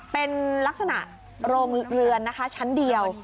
เป็นลักษณะโรงเรือนนะคะชั้นเดียว